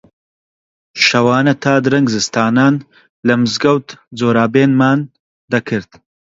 شەوانە تا درەنگ زستانان لە مزگەوت جۆرابێنمان دەکرد